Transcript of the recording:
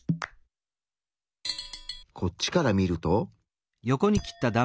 こっちから見ると。